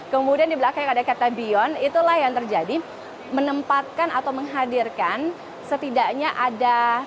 kemudian di belakang dihadakan dan bion itulah yang terjadi menempatkan dan menghadirkan setidaknya adarast sepuluh top desdetnation atau destinasi prioritas dari wilayah wilayah lain